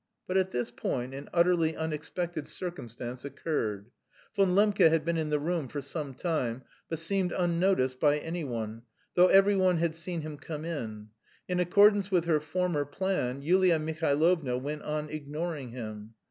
But at this point an utterly unexpected circumstance occurred. Von Lembke had been in the room for some time but seemed unnoticed by anyone, though every one had seen him come in. In accordance with her former plan, Yulia Mihailovna went on ignoring him.